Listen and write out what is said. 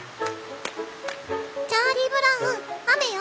「チャーリー・ブラウン雨よ！